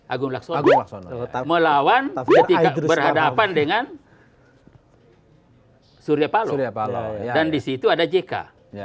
agung laksana laksana melawan ketika berhadapan dengan hai surya palo palo dan disitu ada jk ya